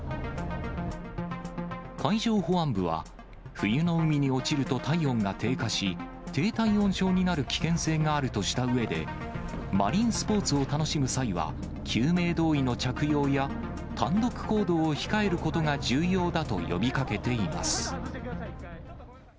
海上保安部は、冬の海に落ちると体温が低下し、低体温症になる危険性があるとしたうえで、マリンスポーツを楽しむ際は、救命胴衣の着用や、単独行動を控えることが重要だと呼びかけています。